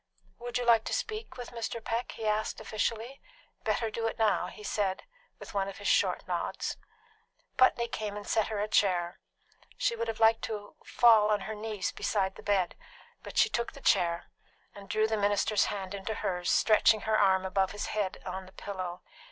"Would you like to speak with Mr. Peck?" he asked officially. "Better do it now," he said, with one of his short nods. Putney came and set her a chair. She would have liked to fall on her knees beside the bed; but she took the chair, and drew the minister's hand into hers, stretching her arm above his head on the pillow.